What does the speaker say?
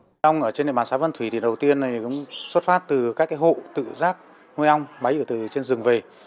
mật ong ở trên địa bàn xã vân thủy thì đầu tiên xuất phát từ các hộ tự rác nuôi ong bấy ở trên rừng về